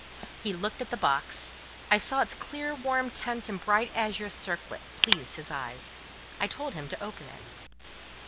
He looked at the box: I saw its clear warm tint and bright azure circlet, pleased his eyes. I told him to open it.